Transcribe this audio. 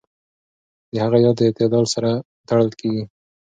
د هغه ياد د اعتدال سره تړل کېږي.